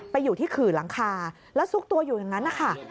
ไปอยู่ที่ขื่อหลังคาแล้วซุกตัวอยู่อย่างนั้นนะคะ